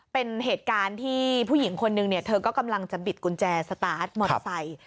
เป็นเหตุการณ์ที่ผู้หญิงคนนึงเนี่ยเธอก็กำลังจะบิดกุญแจสตาร์ทมอเตอร์ไซค์